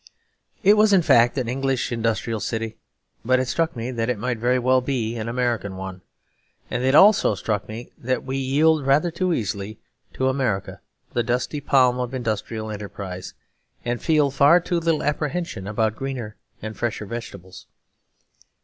It was in fact an English industrial city, but it struck me that it might very well be an American one. And it also struck me that we yield rather too easily to America the dusty palm of industrial enterprise, and feel far too little apprehension about greener and fresher vegetables.